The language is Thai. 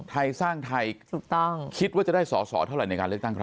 ไทสร้างไทคิดว่าจะได้สอสอเท่าไหร่ในการเลือกตั้งครับ